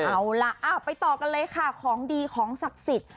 เอาล่ะไปต่อกันเลยค่ะของดีของศักดิ์สิทธิ์